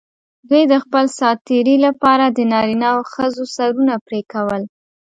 دوی د خپل سات تېري لپاره د نارینه او ښځو سرونه پرې کول.